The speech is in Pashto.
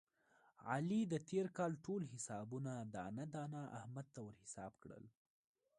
علي د تېر کال ټول حسابونه دانه دانه احمد ته ور حساب کړل.